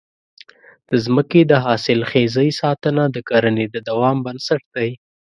د ځمکې د حاصلخېزۍ ساتنه د کرنې د دوام بنسټ دی.